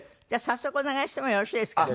じゃあお願い致します。